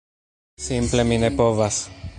Simple mi ne povas.